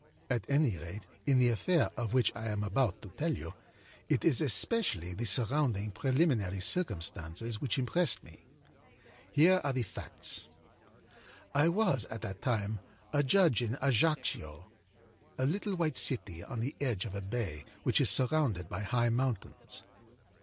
At any rate, in the affair of which I am about to tell you, it is especially the surrounding, preliminary circumstances which impressed me. Here are the facts: âI was, at that time, a judge at Ajaccio, a little white city on the edge of a bay which is surrounded by high mountains.